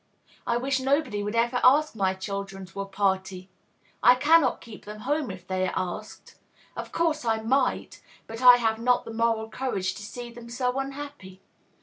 I wish nobody would ever ask my children to a party. I cannot keep them at home, if they are asked. Of course, I might; but I have not the moral courage to see them so unhappy.